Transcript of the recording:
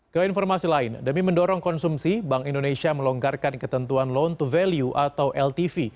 ke informasi lain demi mendorong konsumsi bank indonesia melonggarkan ketentuan loan to value atau ltv